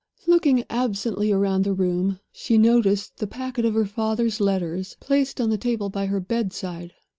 Looking absently round the room, she noticed the packet of her father's letters placed on the table by her bedside.